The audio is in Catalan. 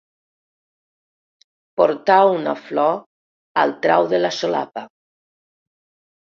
Portar una flor al trau de la solapa.